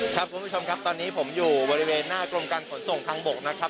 คุณผู้ชมครับตอนนี้ผมอยู่บริเวณหน้ากรมการขนส่งทางบกนะครับ